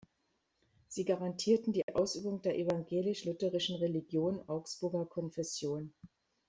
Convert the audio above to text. Sie garantierten die Ausübung der evangelisch-lutherischen Religion Augsburger Konfession.